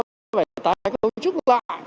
phải tái công trúc lại